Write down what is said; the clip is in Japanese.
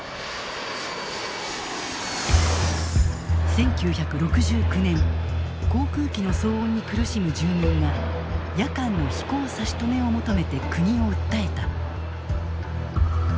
１９６９年航空機の騒音に苦しむ住民が夜間の飛行差し止めを求めて国を訴えた。